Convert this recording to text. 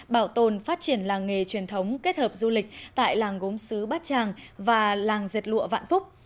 bảo tồn phát triển làng nghề truyền thống kết hợp du lịch tại làng gốm xứ bát tràng và làng dệt lụa vạn phúc